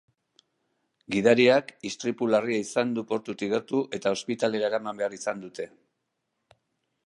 Gidariak istripu larria izan du portutik gertu eta ospitalera eraman behar izan dute.